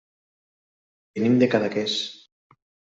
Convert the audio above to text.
Venim de Cadaqués.